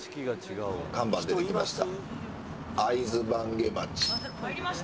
看板出てきました。